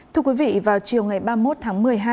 thưa quý vị vào chiều ngày ba mươi một tháng một mươi hai